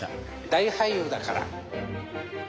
大俳優だから。